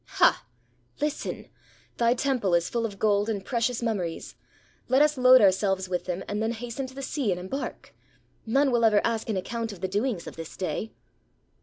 "Ha!" "Listen ! Thy temple is full of gold and precious mum meries!— let us load ourselves with them, and then has ten to the sea and embark! None will ever ask an ac count of the doings of this day."